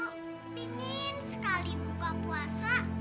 pingin sekali buka puasa